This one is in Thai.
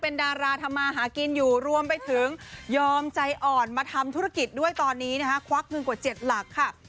เป็นดาราธรรมาหากินอยู่รวมไปถึงยอมใจอ่อนมาทำธุรกิจด้วยตอนนี้นะฮะควบ